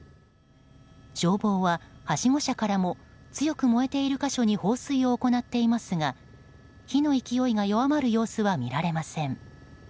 消防は、はしご車からも強く燃えている箇所に放水を行っていますが火の勢いが弱まる様子は見られません。